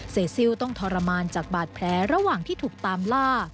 ซิลต้องทรมานจากบาดแผลระหว่างที่ถูกตามล่า